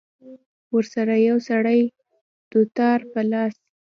ورسره يو سړى دوتار په لاس.